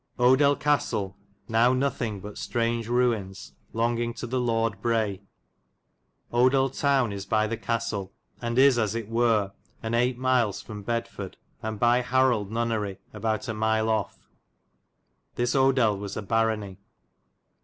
Odel ^ Castel, now nothing but straunge ruines, longging to the Lord Bray. Odel town ys by the castel, and ys as yt wer an viii. myles from Bedford, and by Harold nunnery about a mile of. This Odel was a barony.